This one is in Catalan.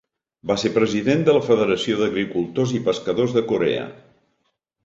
Va ser president de la Federació d'Agricultors i Pescadors de Corea.